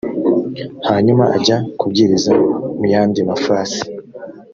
hanyuma ajya kubwiriza mu yandi mafasi